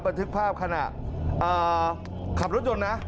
บันทึกภาพขณะขับรถยนต์นะ